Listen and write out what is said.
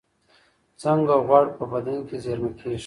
څنګه غوړ په بدن کې زېرمه کېږي؟